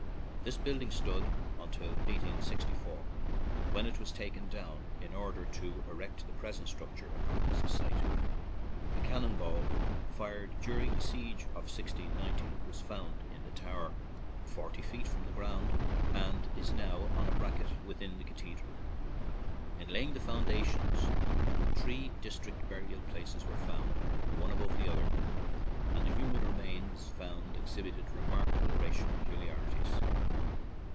This building stood until 1864, when it was taken down in order to erect the present structure upon its site. A cannon ball, fired during the siege of 1690, was found in the tower, forty feet from the ground, and is now on a bracket within the cathe dral. In laying the foundations, three distinct burial places were found, one above the other, and the human remains found exhibited remarkable racial pecu liarities.